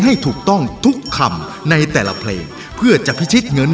ให้ถูกต้องทุกคำในแต่ละเพลงเพื่อจะพิชิตเงิน